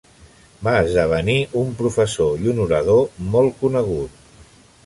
Va esdevenir un professor i un orador molt conegut.